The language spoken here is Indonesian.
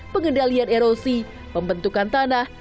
pengendalian erosi pembentukan tanah